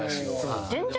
全然。